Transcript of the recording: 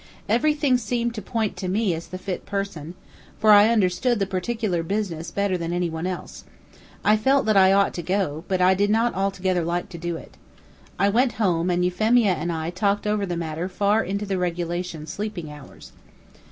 Everything seemed to point to me as the fit person, for I understood the particular business better than any one else. I felt that I ought to go, but I did not altogether like to do it. I went home, and Euphemia and I talked over the matter far into the regulation sleeping hours.